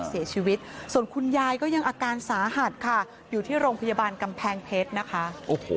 เสียชีวิตส่วนคุณยายก็ยังอาการสาหัสค่ะอยู่ที่โรงพยาบาลกำแพงเพชรนะคะโอ้โห